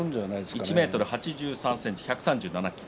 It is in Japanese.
１ｍ８３ｃｍ１３７ｋｇ。